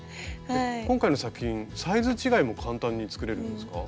今回の作品サイズ違いも簡単に作れるんですか？